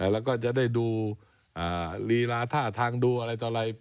แล้วก็จะได้ดูรีลาท่าทางดูอะไร